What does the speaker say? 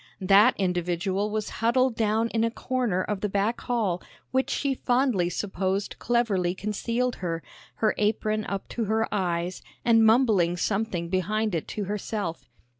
That individual was huddled down in a corner of the back hall which she fondly supposed cleverly concealed her, her apron up to her eyes, and mumbling something behind it to herself.